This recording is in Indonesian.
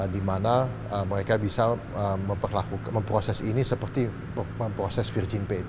dimana mereka bisa memproses ini seperti memproses virgin pet